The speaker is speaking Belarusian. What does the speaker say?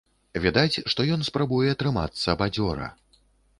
Відаць, што ён спрабуе трымацца бадзёра.